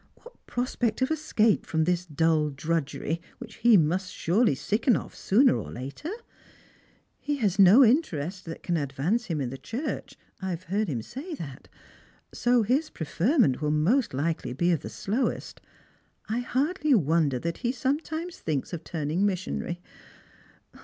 what prospect of escape from this dull drudgery, which he must surely sicken of, sooner or later P He has no interest that can advance him in the Church — I have heard him say that — so his preferment will most likely be of tho slowest. I hardly wonder that he sometimes thinks of turning missionary.